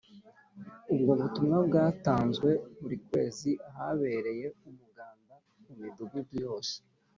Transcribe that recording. Ubwo butumwa bwatanzwe buri kwezi ahabereye Umuganda mu Midugudu yose